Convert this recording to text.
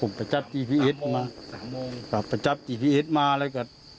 ผมประจับจีพีเอสมาประจับจีพีเอสมาแล้วก็